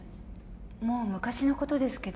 もう昔のことですけど。